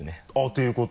ということ？